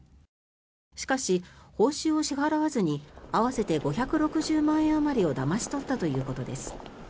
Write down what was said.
しかし、報酬を支払わずに合わせて５６０万円あまりをだまし取ったということです。